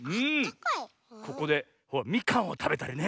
ここでみかんをたべたりね。